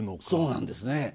そうなんですね。